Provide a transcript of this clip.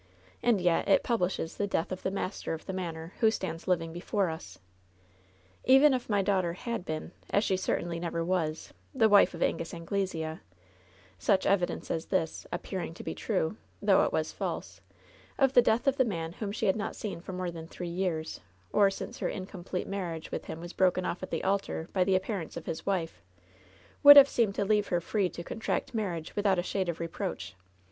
And yet it publishes the death of the master of the manor, who stands living before us. Even if my daughter had been, as she certainly never was, the wife of Angus Anglesea, such evidence as this — appearing to be true, though it was false — of the death of the man whom she had not seen for more than three years, or since her incomplete marriage with him was broken off at the altar by the appearance of his wife, would have seemed to leave her free to contract marriage without a shade of reproach.